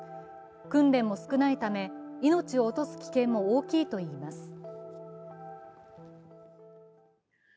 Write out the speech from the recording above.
訓練も少ないため、命を落とす危険も大きいといいます。